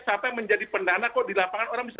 siapa yang menjadi pendana kok di lapangan orang bisa